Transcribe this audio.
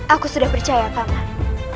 aku sudah percaya paman